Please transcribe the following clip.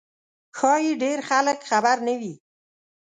ښایي ډېر خلک خبر نه وي.